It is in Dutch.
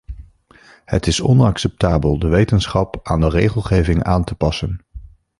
Het is onacceptabel de wetenschap aan de regelgeving aan te passen.